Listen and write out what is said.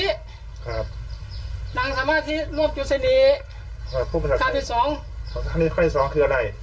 ครับดังสมาธิร่วมจุศิษย์ครับคราวที่สองคราวที่สองคืออะไร